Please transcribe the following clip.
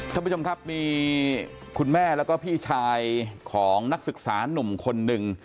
ท่านผู้ชมครับมีคุณแม่แล้วก็พี่ชายของนักศึกษานุ่มคนหนึ่ง